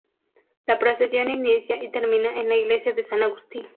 La procesión inicia y termina en la Iglesia de San Agustín.